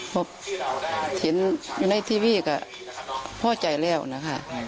พบเห็นในทีวีก็พ่อใจแล้วนะคะ